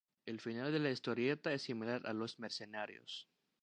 El final de la historieta es similar a "Los mercenarios".